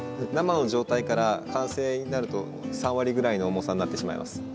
生の状態から完成になると３割ぐらいの重さになってしまいます。